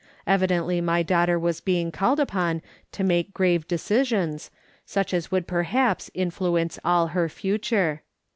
Evidently my daughter was being called upon to make grave decisions, such as would perhaps influence all her future.